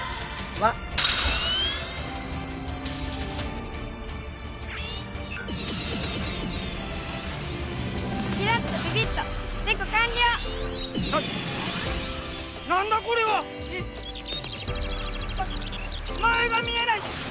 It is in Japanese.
ま前が見えない！